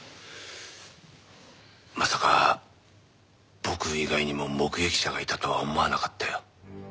まさか僕以外にも目撃者がいたとは思わなかったよ。